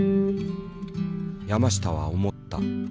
山下は思った。